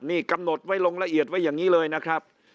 นี่กำหนดไว้ลงละเอียดไว้อย่างนี้เลยนะครับ